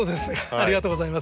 ありがとうございます。